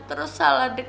terus salah dekat